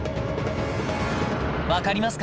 わかりますか？